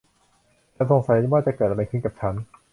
ฉันสงสัยว่าอะไรจะเกิดขึ้นกับฉัน !